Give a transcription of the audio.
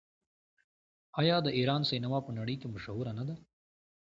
آیا د ایران سینما په نړۍ کې مشهوره نه ده؟